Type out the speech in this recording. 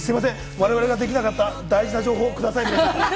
我々ができなかった大事な情報をください、皆さん。